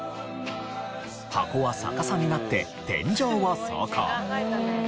箱は逆さになって天井を走行。